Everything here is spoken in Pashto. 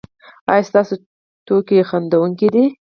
ایا ستاسو ټوکې خندونکې دي؟